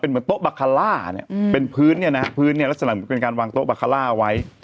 เหมือนโต๊ะบาคาร่าเนี่ยเป็นพื้นเนี่ยนะฮะพื้นเนี่ยลักษณะเหมือนเป็นการวางโต๊ะบาคาร่าไว้